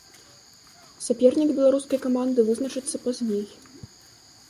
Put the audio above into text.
Сапернік беларускай каманды вызначыцца пазней.